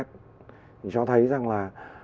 thì cho thấy rằng là